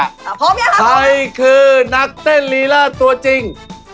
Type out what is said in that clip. พร้อมหรือยังครับใครคือนักเต้นรีราชตัวจริง